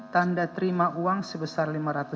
tanda terima uang sebesar